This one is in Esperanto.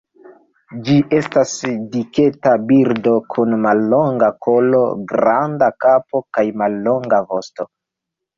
Ĝi estas diketa birdo, kun mallonga kolo, granda kapo kaj mallonga vosto.